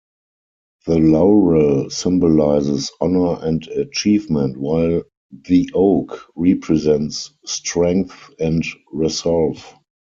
The laurel symbolizes honor and achievement while the oak represents strength and resolve.